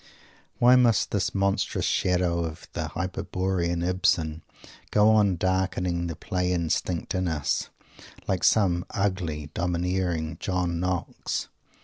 Why must this monstrous shadow of the Hyperborean Ibsen go on darkening the play instinct in us, like some ugly, domineering John Knox?